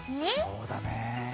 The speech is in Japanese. そうだねぇ。